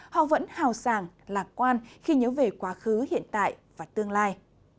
họ vẫn hào sàng lạc quan khi nhớ về quá khứ hiện tại và tương lai